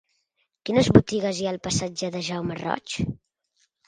Quines botigues hi ha al passatge de Jaume Roig?